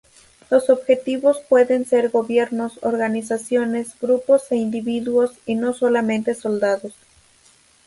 Los objetivos pueden ser gobiernos, organizaciones, grupos e individuos, y no solamente soldados.